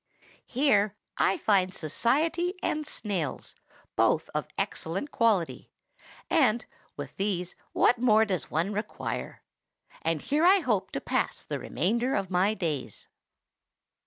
Here I find society and snails, both of excellent quality; and, with these, what more does one require? And here I hope to pass the remainder of my days."